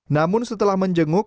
namun setelah menjenguk